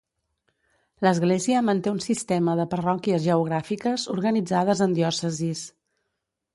L'església manté un sistema de parròquies geogràfiques organitzades en diòcesis.